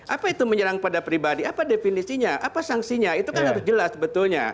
apa itu menyerang pada pribadi apa definisinya apa sanksinya itu kan harus jelas betulnya